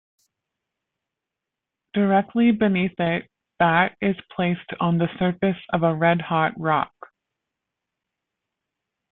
Directly beneath it, fat is placed on the surface of a red-hot rock.